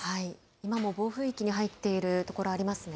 今も暴風域に入っている所ありますね。